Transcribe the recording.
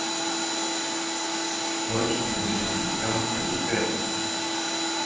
Hodge est né dans une ferme près de Perry.